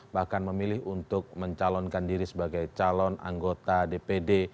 bahkan memilih untuk mencalonkan diri sebagai calon anggota dpd